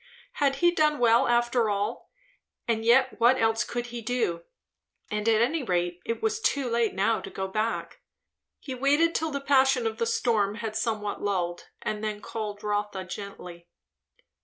Had he done well after all? And yet what else could he do? And at any rate it was too late now to go back. He waited till the passion of the storm had somewhat lulled, and then called Rotha gently.